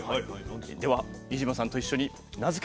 では飯島さんと一緒に名付けて。